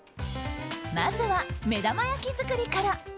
まずは目玉焼き作りから。